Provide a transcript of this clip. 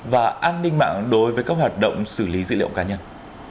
và an ninh mạng đối với các hoạt động xử lý dữ liệu cá nhân